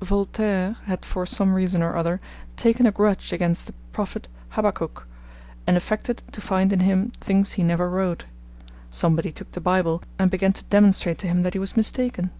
Voltaire had for some reason or other taken a grudge against the prophet Habakkuk, and affected to find in him things he never wrote. Somebody took the Bible and began to demonstrate to him that he was mistaken.